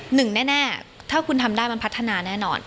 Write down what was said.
หนึ่งแน่ถ้าคุณทำได้มันพัฒนาแน่นอน